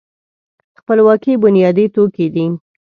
خپلواکي بنیادي توکی دی.